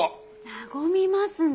和みますね。